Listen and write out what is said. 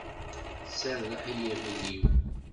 Serreḥ i yiɣil-iw!